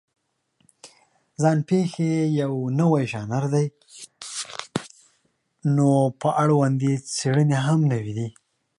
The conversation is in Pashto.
ځان پېښې یو نوی ژانر دی، نو په اړوند یې څېړنې هم نوې دي.